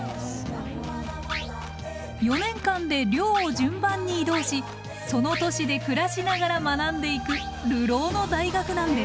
４年間で寮を順番に移動しその都市で暮らしながら学んでいく流浪の大学なんです。